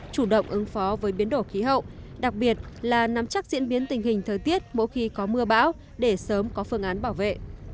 chủ động ứng phó với biến đổi khí hậu đặc biệt là nắm chắc diễn biến tình hình thời tiết mỗi khi có mưa bão để sớm có phương án bảo vệ